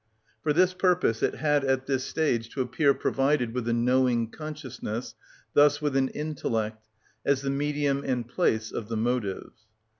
For this purpose it had at this stage to appear provided with a knowing consciousness, thus with an intellect, as the medium and place of the motives.